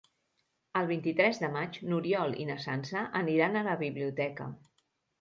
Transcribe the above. El vint-i-tres de maig n'Oriol i na Sança aniran a la biblioteca.